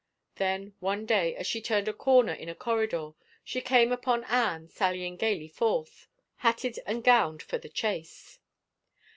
Then one day, as she turned a corner in a corridor, she came upon Anne sallying gayly forth, hatted and gowned for the chase.